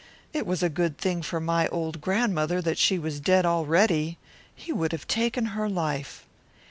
It is a good thing for my old grandmother that she was already dead, or he would have taken her life."